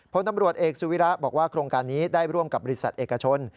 พลตำรวจเอกสุวิระบอกว่าโครงการนี้ได้ร่วมกับบริษัทเอกชน